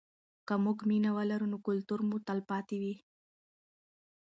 که موږ مینه ولرو نو کلتور مو تلپاتې وي.